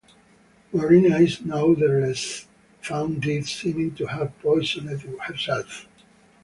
Marina is nonetheless found dead, seeming to have poisoned herself.